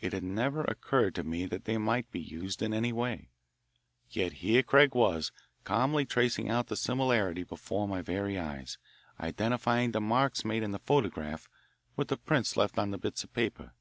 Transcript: It had never occurred to me that they might be used in any way. Yet here Craig was, calmly tracing out the similarity before my very eyes, identifying the marks made in the photograph with the prints left on the bits of paper.